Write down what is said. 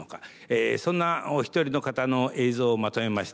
そんなお一人の方の映像をまとめました。